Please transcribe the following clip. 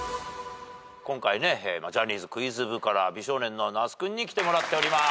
今回ねジャニーズクイズ部から美少年の那須君に来てもらっております。